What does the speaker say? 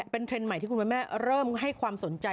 เป็นเทรนด์ใหม่ที่คุณแม่เริ่มให้ความสนใจ